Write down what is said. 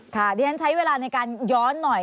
ค่ะดังนั้นใช้เวลาในการย้อนหน่อย